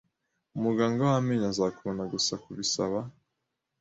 Muganga w amenyo azakubona gusa kubisaba